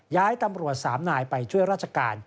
ย้ายตำรวจ๓นายไปช่วยราชการ